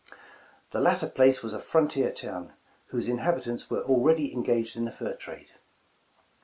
'' The latter place was a frontier town, whose in habitants were already engaged in the fur trade.